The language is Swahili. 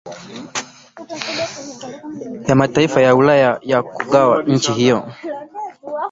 ya mataifa ya Ulaya ya kuigawa nchi hiyo